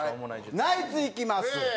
ナイツいきます。